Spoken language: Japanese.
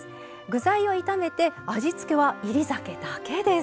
具材を炒めて味付けは煎り酒だけです。